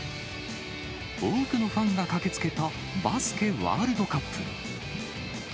多くのファンが駆けつけたバスケワールドカップ。